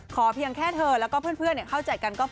ขอเพียงแค่เธอเพื่อนเข้าใจกันก็พอ